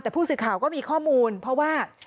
แต่ผู้สื่อข่าวก็มีข้อมูลเพราะว่า